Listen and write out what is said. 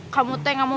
kamu teh gak mau minum